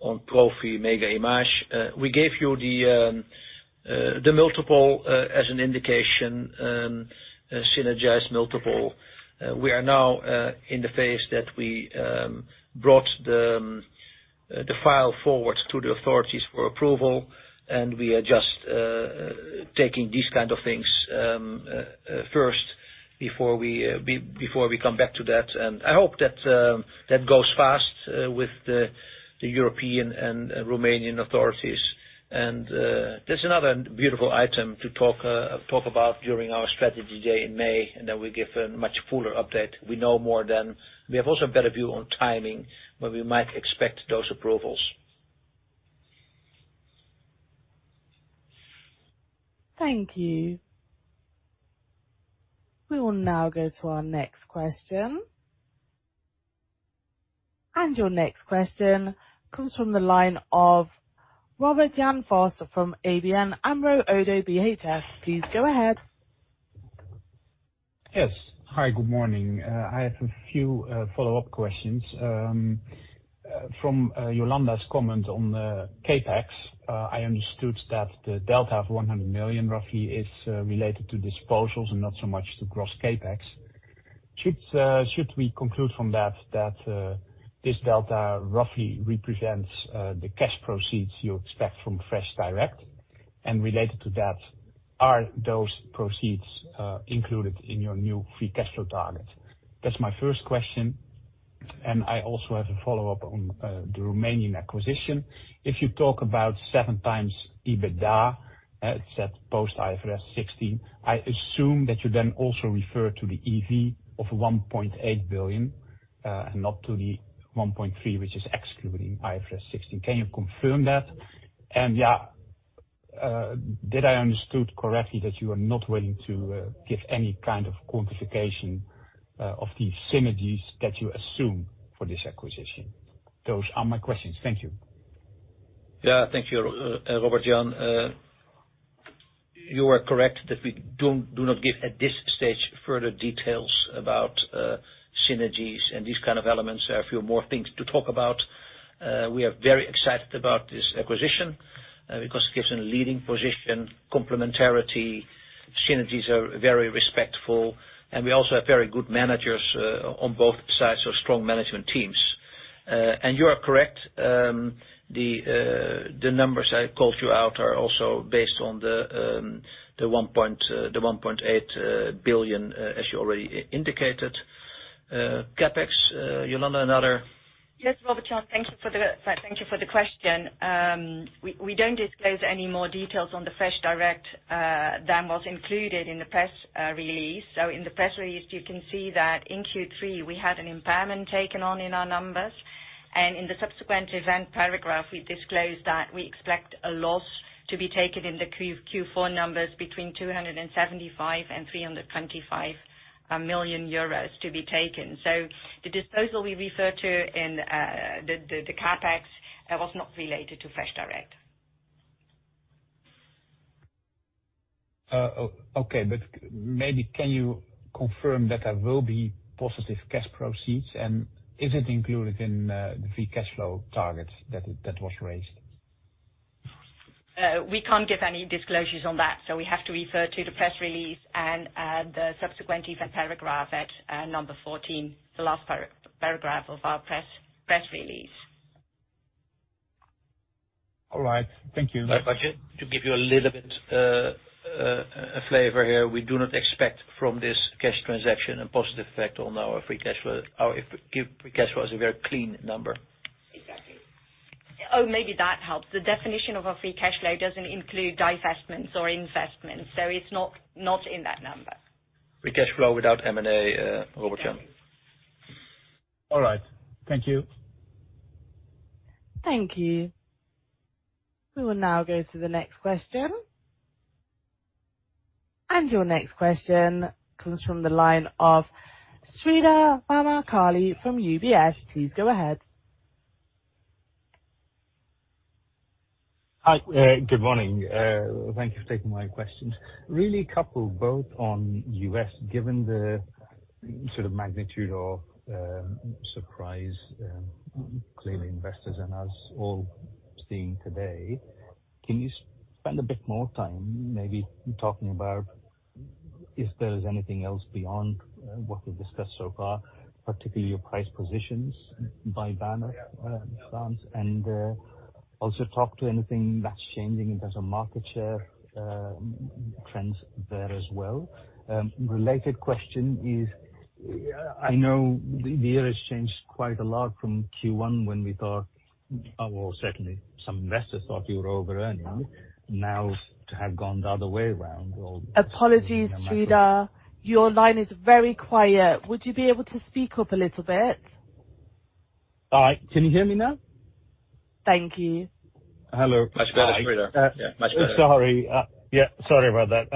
[SPEAKER 3] on Profi Mega Image. We gave you the, the multiple, as an indication, a synergized multiple. We are now, in the phase that we, brought the, the file forward to the authorities for approval, and we are just, taking these kind of things, first before we, before we come back to that. And I hope that, that goes fast, with the, the European and Romanian authorities. And, that's another beautiful item to talk, talk about during our strategy day in May, and then we'll give a much fuller update. We know more then. We have also a better view on timing, when we might expect those approvals.
[SPEAKER 1] Thank you. We will now go to our next question. Your next question comes from the line of Robert Jan Vos from ABN AMRO ODDO BHF. Please go ahead....
[SPEAKER 9] Yes. Hi, good morning. I have a few follow-up questions. From Jolanda's comment on the CapEx, I understood that the delta of 100 million roughly is related to disposals and not so much to gross CapEx. Should we conclude from that, that this delta roughly represents the cash proceeds you expect from FreshDirect? And related to that, are those proceeds included in your new free cash flow target? That's my first question, and I also have a follow-up on the Romanian acquisition. If you talk about 7x EBITDA, set post-IFRS 16, I assume that you then also refer to the EV of 1.8 billion, and not to the 1.3 billion, which is excluding IFRS 16. Can you confirm that? Yeah, did I understood correctly that you are not willing to give any kind of quantification of the synergies that you assume for this acquisition? Those are my questions. Thank you.
[SPEAKER 3] Yeah, thank you, Robert Jan. You are correct that we don't, do not give, at this stage, further details about, synergies and these kind of elements. There are a few more things to talk about. We are very excited about this acquisition, because it gives a leading position, complementarity, synergies are very respectful, and we also have very good managers, on both sides, so strong management teams. And you are correct, the numbers I called you out are also based on the, the 1.8 billion, as you already indicated. CapEx, Jolanda, another?
[SPEAKER 4] Yes, Robert Jan, thank you for the, thank you for the question. We don't disclose any more details on the FreshDirect than was included in the press release. So in the press release, you can see that in Q3, we had an impairment taken on in our numbers, and in the subsequent event paragraph, we disclosed that we expect a loss to be taken in the Q4 numbers between 275 million and 325 million euros to be taken. So the disposal we refer to in the CapEx, that was not related to FreshDirect.
[SPEAKER 9] Okay, but maybe can you confirm that there will be positive cash proceeds, and is it included in the free cash flow target that was raised?
[SPEAKER 4] We can't give any disclosures on that, so we have to refer to the press release and the subsequent event paragraph at number 14, the last paragraph of our press release.
[SPEAKER 9] All right. Thank you.
[SPEAKER 3] Robert Jan, to give you a little bit, flavor here, we do not expect from this cash transaction a positive effect on our free cash flow. Our free cash flow is a very clean number.
[SPEAKER 4] Exactly. Oh, maybe that helps. The definition of a free cash flow doesn't include divestments or investments, so it's not, not in that number.
[SPEAKER 3] Free cash flow without M&A, Robert Jan.
[SPEAKER 9] All right. Thank you.
[SPEAKER 1] Thank you. We will now go to the next question. Your next question comes from the line of Sreedhar Mahamkali from UBS. Please go ahead.
[SPEAKER 10] Hi, good morning. Thank you for taking my questions. Really, a couple, both on U.S., given the sort of magnitude of surprise, clearly investors and us all seeing today, can you spend a bit more time maybe talking about if there is anything else beyond what we've discussed so far, particularly your price positions by banner, brands, and also talk to anything that's changing in terms of market share, trends there as well? Related question is, I know the year has changed quite a lot from Q1, when we thought, well, certainly some investors thought you were over-earning. Now to have gone the other way around or-
[SPEAKER 1] Apologies, Sreedhar. Your line is very quiet. Would you be able to speak up a little bit?
[SPEAKER 10] Hi, can you hear me now?
[SPEAKER 1] Thank you.
[SPEAKER 10] Hello.
[SPEAKER 3] Much better, Sreedhar. Yeah, much better.
[SPEAKER 10] Sorry, yeah, sorry about that.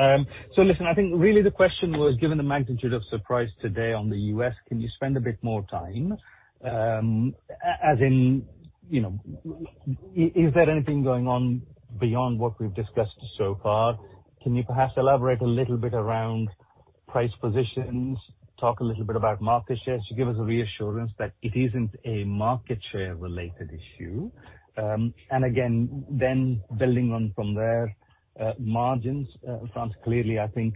[SPEAKER 10] So listen, I think really the question was, given the magnitude of surprise today on the US, can you spend a bit more time, as in, you know, is there anything going on beyond what we've discussed so far? Can you perhaps elaborate a little bit around price positions, talk a little bit about market share, to give us a reassurance that it isn't a market share related issue? And again, then building on from there, margins, Frans, clearly, I think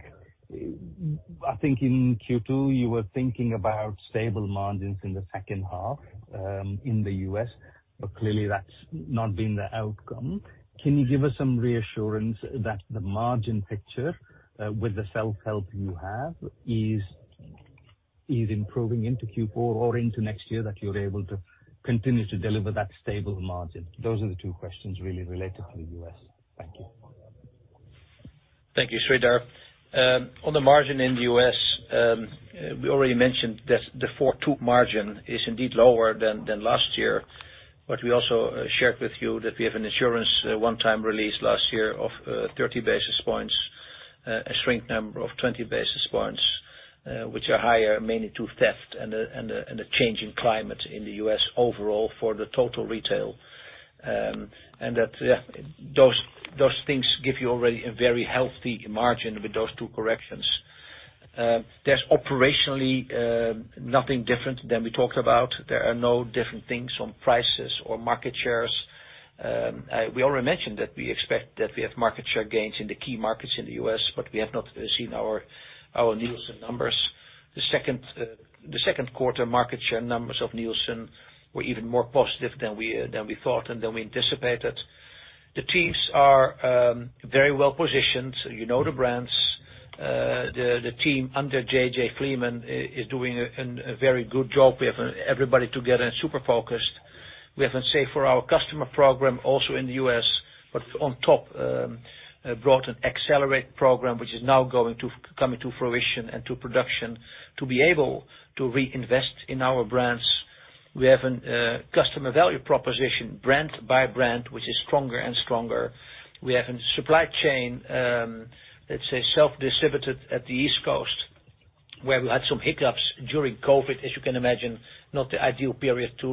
[SPEAKER 10] in Q2, you were thinking about stable margins in the second half, in the US, but clearly that's not been the outcome. Can you give us some reassurance that the margin picture, with the self-help you have, is improving into Q4 or into next year, that you're able to continue to deliver that stable margin? Those are the two questions really related to the U.S. Thank you.
[SPEAKER 3] Thank you, Sreedhar. On the margin in the U.S., we already mentioned that the 4.2 margin is indeed lower than last year. But we also shared with you that we have an insurance one-time release last year of 30 basis points, a shrink number of 20 basis points, which are higher, mainly due to theft and the changing climate in the U.S. overall for the total retail. And that, yeah, those things give you already a very healthy margin with those two corrections. There's operationally nothing different than we talked about. There are no different things on prices or market shares. We already mentioned that we expect that we have market share gains in the key markets in the U.S., but we have not seen our Nielsen numbers. The second quarter market share numbers of Nielsen were even more positive than we thought and than we anticipated. The teams are very well positioned. You know the brands. The team under JJ Fleeman is doing a very good job. We have everybody together and super focused. We have the Save for Our Customers program, also in the U.S., but on top, brought an Accelerate program, which is now coming to fruition and to production, to be able to reinvest in our brands. We have a customer value proposition, brand by brand, which is stronger and stronger. We have a supply chain, let's say, self-distributed at the East Coast, where we had some hiccups during COVID. As you can imagine, not the ideal period to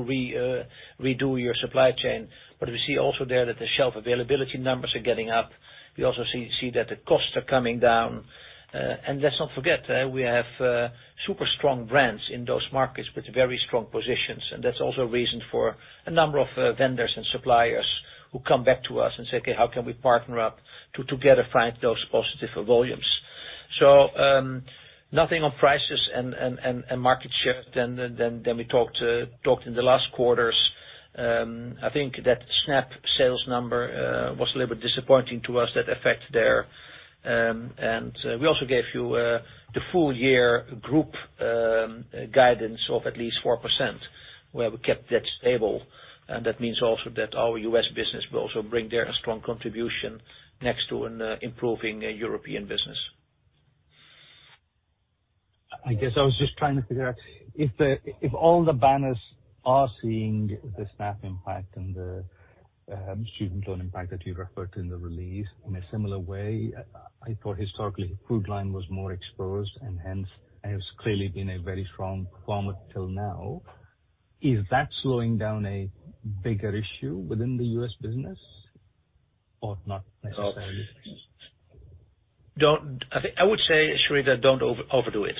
[SPEAKER 3] redo your supply chain, but we see also there that the shelf availability numbers are getting up. We also see that the costs are coming down. And let's not forget, we have super strong brands in those markets with very strong positions, and that's also a reason for a number of vendors and suppliers who come back to us and say, "Okay, how can we partner up together to find those positive volumes?" So, nothing on prices and market share than we talked in the last quarters. I think that SNAP sales number was a little bit disappointing to us, that effect there. And, we also gave you the full year group guidance of at least 4%, where we kept that stable. And that means also that our U.S. business will also bring there a strong contribution next to an improving European business.
[SPEAKER 10] I guess I was just trying to figure out if all the banners are seeing the SNAP impact and the student loan impact that you referred to in the release in a similar way. I, I thought historically, Food Lion was more exposed, and hence, has clearly been a very strong performer till now. Is that slowing down a bigger issue within the U.S. business or not necessarily?
[SPEAKER 3] Don't... I think, I would say, Sreedhar, don't overdo it.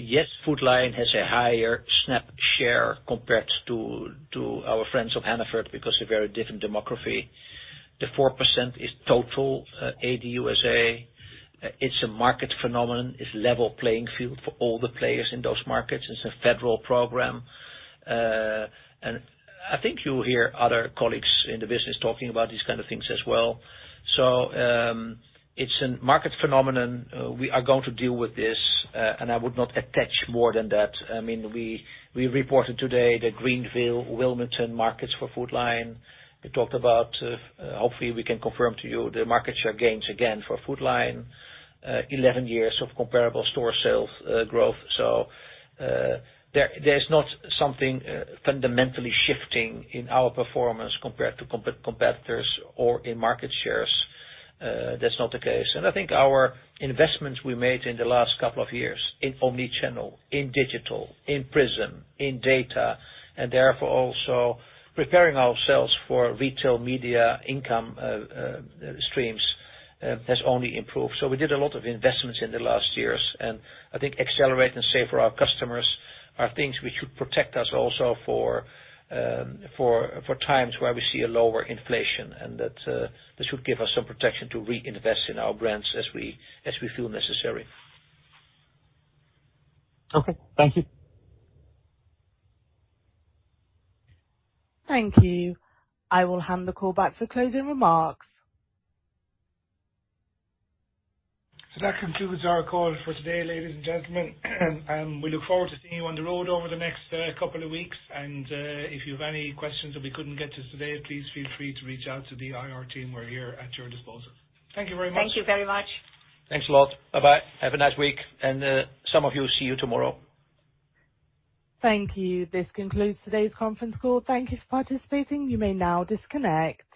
[SPEAKER 3] Yes, Food Lion has a higher SNAP share compared to our friends of Hannaford, because a very different demography. The 4% is total ADUSA. It's a market phenomenon. It's level playing field for all the players in those markets. It's a federal program. And I think you'll hear other colleagues in the business talking about these kind of things as well. So, it's a market phenomenon. We are going to deal with this, and I would not attach more than that. I mean, we reported today the Greenville, Wilmington markets for Food Lion. We talked about, hopefully, we can confirm to you the market share gains again for Food Lion, 11 years of comparable store sales, growth. So, there, there's not something fundamentally shifting in our performance compared to competitors or in market shares. That's not the case. And I think our investments we made in the last couple of years in omnichannel, in digital, in Prism, in data, and therefore also preparing ourselves for retail media income streams has only improved. So we did a lot of investments in the last years, and I think Accelerate and Save for Our Customers are things which should protect us also for times where we see a lower inflation, and that this should give us some protection to reinvest in our brands as we feel necessary.
[SPEAKER 10] Okay. Thank you.
[SPEAKER 1] Thank you. I will hand the call back for closing remarks.
[SPEAKER 2] So that concludes our call for today, ladies and gentlemen, and we look forward to seeing you on the road over the next couple of weeks. If you have any questions that we couldn't get to today, please feel free to reach out to the IR team. We're here at your disposal. Thank you very much.
[SPEAKER 10] Thank you very much.
[SPEAKER 3] Thanks a lot. Bye-bye. Have a nice week, and some of you, see you tomorrow.
[SPEAKER 1] Thank you. This concludes today's conference call. Thank you for participating. You may now disconnect.